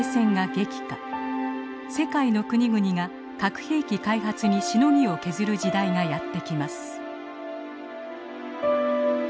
世界の国々が核兵器開発にしのぎを削る時代がやって来ます。